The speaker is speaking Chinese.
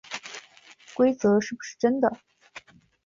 规则是不是真的